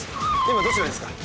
今どちらですか？